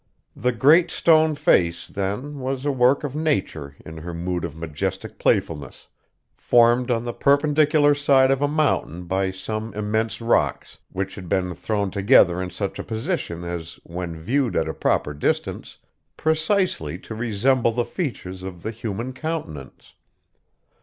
The Great Stone Face, then, was a work of Nature in her mood of majestie playfulness, formed on the perpendicular side of a mountain by some immense rocks, which had been thrown together in such a position as, when viewed at a proper distance, precisely to resemble the features of the human countenance.